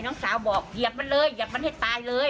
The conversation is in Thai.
น้องสาวบอกเหยียบมันเลยเหยียบมันให้ตายเลย